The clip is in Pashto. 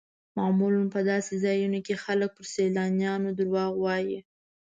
معمولا په داسې ځایونو کې خلک پر سیلانیانو دروغ وایي.